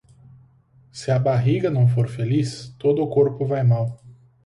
Se a barriga não for feliz, todo o corpo vai mal.